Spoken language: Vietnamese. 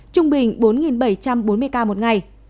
trung bình bốn bảy trăm bốn mươi ca một ngày